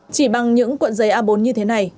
chỉ bằng những cuộn giấy a bốn như thế này